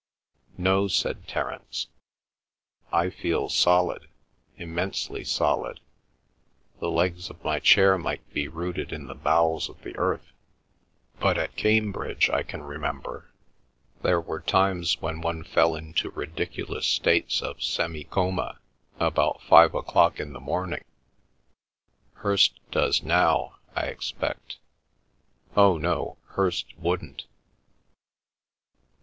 "No," said Terence, "I feel solid; immensely solid; the legs of my chair might be rooted in the bowels of the earth. But at Cambridge, I can remember, there were times when one fell into ridiculous states of semi coma about five o'clock in the morning. Hirst does now, I expect—oh, no, Hirst wouldn't."